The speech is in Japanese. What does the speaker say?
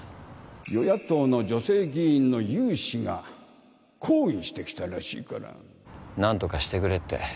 与野党の女性議員の有志が抗議してきたら何とかしてくれって。